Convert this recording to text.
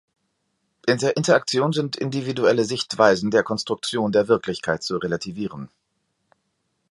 In der Interaktion sind individuelle Sichtweisen der Konstruktion der Wirklichkeit zu relativieren.